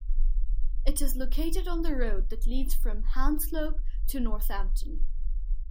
It is located on the road that leads from Hanslope to Northampton.